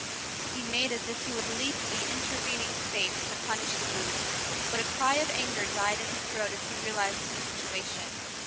He made as if he would leap the intervening space to punish the brute, but a cry of anger died in his throat as he realized his situation.